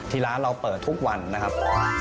ที่ร้านเราเปิดทุกวันนะครับ